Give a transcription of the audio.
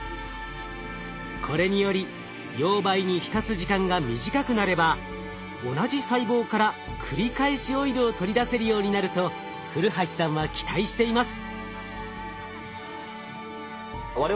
これにより溶媒に浸す時間が短くなれば同じ細胞から繰り返しオイルを取り出せるようになると古橋さんは期待しています。